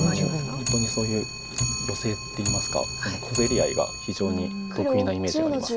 本当にそういうヨセっていいますか小競り合いが非常に得意なイメージがあります。